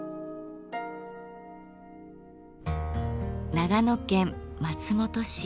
長野県松本市。